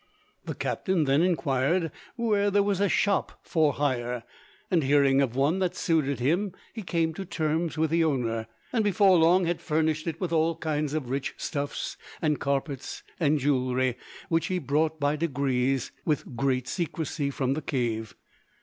The captain then inquired where there was a shop for hire; and hearing of one that suited him, he came to terms with the owner, and before long had furnished it with all kinds of rich stuffs and carpets and jewelry which he brought by degrees with great secrecy from the cave.